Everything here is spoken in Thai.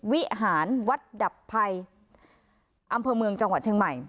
วิหารวัดดับภัยอำเภอเมืองจังหวัดเชียงใหม่